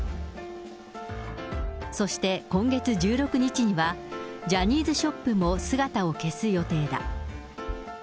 そして今月１６日には、ジャニーズショップも姿を消す予定だ。